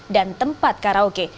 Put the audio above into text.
dan tempat karaoke